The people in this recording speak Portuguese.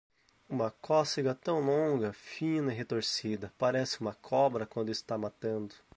Uma cócega, tão longa, fina e retorcida, parece uma cobra quando está matando.